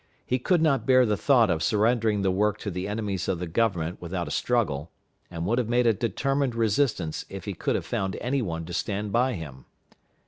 He could not bear the thought of surrendering the work to the enemies of the Government without a struggle, and would have made a determined resistance if he could have found any one to stand by him.